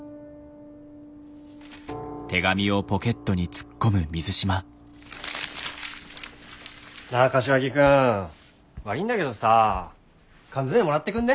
梱包完了！なぁ柏木君悪いんだけどさ缶詰もらってくんね？